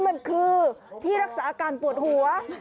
อันนี้มันคือไปรักษาการปวดหัว